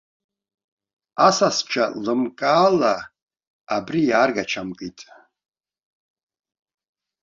Асасцәа лымкаала абри иааргачамкит.